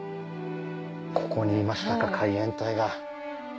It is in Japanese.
ここにいましたか海援隊が。